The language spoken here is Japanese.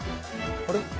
あれ？